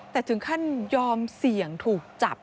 แต่ถึงขั้นยอมเสี่ยงถูกจับ